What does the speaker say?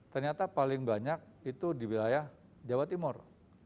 ternyata paling banyak itu di wilayah jawa timur